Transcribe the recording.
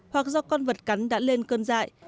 hoặc do con vật cắn đã lên cơn dại